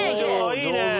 いいね。